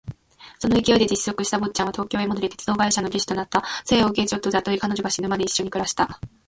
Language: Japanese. その勢いで辞職した坊っちゃんは東京へ戻り、鉄道会社の技手となった。清を下女として雇い、彼女が死ぬまで一緒に暮らした。